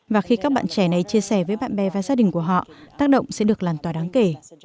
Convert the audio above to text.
và khi các bạn trẻ này chia sẻ với bạn bè và gia đình của họ tác động sẽ được làn tỏa đáng kể